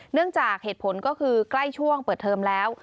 เนื่องจากเหตุผลก็คือใกล้ช่วงเปิดเทอมแล้ว